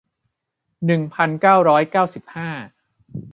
หนึ่งพันเก้าร้อยเก้าสิบห้า